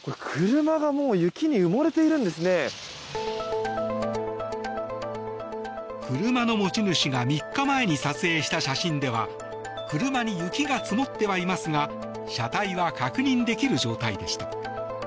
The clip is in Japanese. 車の持ち主が３日前に撮影した写真では車に雪が積もってはいますが車体は確認できる状態でした。